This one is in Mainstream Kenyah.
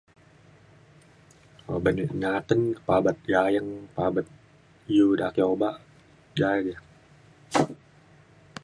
oban ek nyaten ke pabat gayeng pabet iu da' ake obak da ja